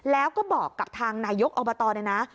แล้วก็บอกกับทางนายกอบตนะ